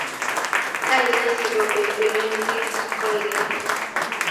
Kaine si go berberen biik koikeny?